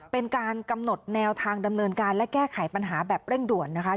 เป็นการกำหนดแนวทางดำเนินการและแก้ไขปัญหาแบบเร่งด่วนนะคะ